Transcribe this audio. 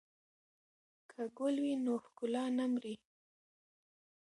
که ګل وي نو ښکلا نه مري.